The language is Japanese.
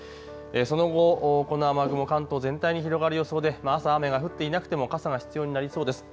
その後この雨雲、関東全体に広がる予想で朝雨が降っていなくても傘が必要になりそうです。